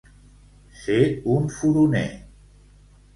Ser un furoner.